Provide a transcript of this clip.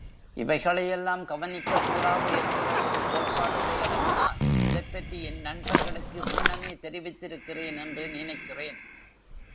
இவைகளை யெல்லாம் கவனிக்கக்கூடாது என்கிற ஒரு கோட்பாடுடையவன் நான் இதைப்பற்றி என் நண்பர்களுக்கு முன்னமே தெரிவித்திருக்கிறேன் என்று நினைக்கிறேன்.